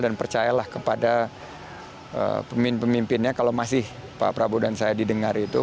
dan percayalah kepada pemimpinnya kalau masih pak prabowo dan saya didengar itu